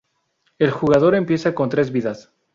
El jugador empieza con tres vidas.